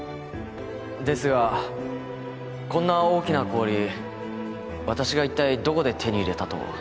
ですがこんな大きな氷私がいったいどこで手に入れたと。